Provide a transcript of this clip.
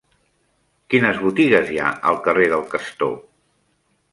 Quines botigues hi ha al carrer del Castor?